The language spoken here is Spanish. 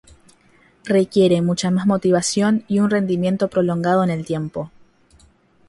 Requiere mucha más motivación y un rendimiento prolongado en el tiempo.